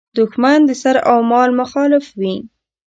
دوښمن د سر او مال مخالف وي.